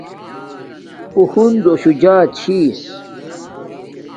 اُو ہنزو شُو جاچھس